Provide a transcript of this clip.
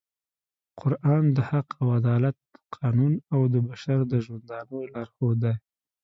قرآن د حق او عدالت قانون او د بشر د ژوندانه لارښود دی